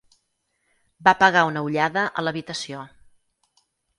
Va pegar una ullada a l'habitació.